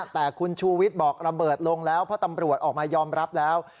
แต่คุณชูวิทย์บอกระเบิดลงแล้วเพราะตำรวจออกมายอมรับแล้ว